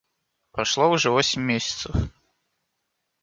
Прошло уже восемь месяцев.